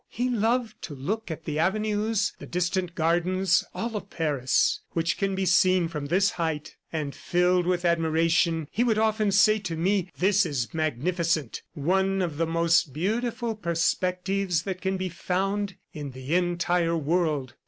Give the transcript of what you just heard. He loved to look at the avenues, the distant gardens, all of Paris which can be seen from this height; and filled with admiration, he would often say to me, 'This is magnificent one of the most beautiful perspectives that can be found in the entire world.